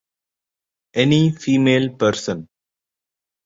Any female person.